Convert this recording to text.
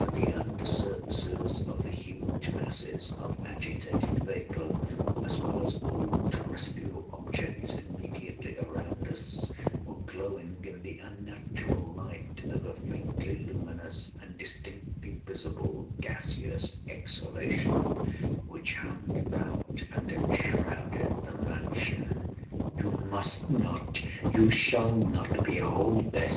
But the under surfaces of the huge masses of agitated vapor, as well as all terrestrial objects immediately around us, were glowing in the unnatural light of a faintly luminous and distinctly visible gaseous exhalation which hung about and enshrouded the mansion. "You must not—you shall not behold this!"